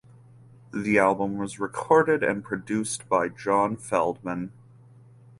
The album was recorded and produced by John Feldmann.